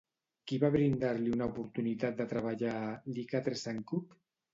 Qui va brindar-li una oportunitat de treballar a "Les Quatre Cents Coups"?